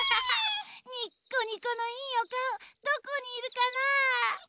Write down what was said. ニッコニコのいいおかおどこにいるかな？